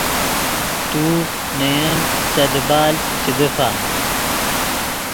تو نے ین سے دیبال چے دیفا